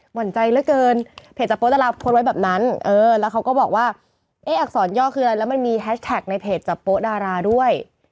หั่นใจเหลือเกินเพจจับโป๊ดาราโพสต์ไว้แบบนั้นเออแล้วเขาก็บอกว่าเอ๊ะอักษรย่อคืออะไรแล้วมันมีแฮชแท็กในเพจจับโป๊ดาราด้วย